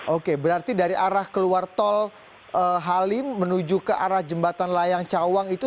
oke berarti dari arah keluar tol halim menuju ke arah jembatan layang cawang itu